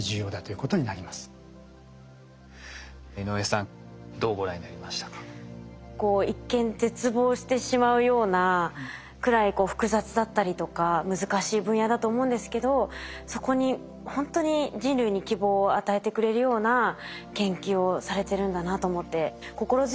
こう一見絶望してしまうようなくらい複雑だったりとか難しい分野だと思うんですけどそこにほんとに人類に希望を与えてくれるような研究をされてるんだなと思って心強いって感じました。